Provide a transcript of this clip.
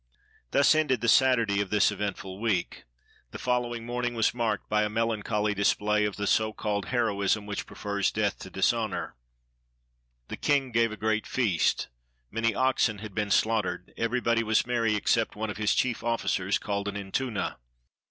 Thus ended the Saturday of this eventful week. The following morning was marked by a melancholy display of the so called heroism which prefers death to dishonor. The king gave a great feast. Many oxen had been slaughtered; everybody was merry except one of his chief ofi&cers, called an Entuna.